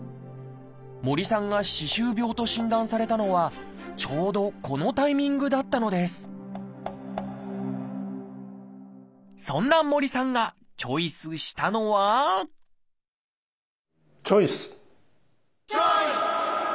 森さんが「歯周病」と診断されたのはちょうどこのタイミングだったのですそんな森さんがチョイスしたのはチョイス！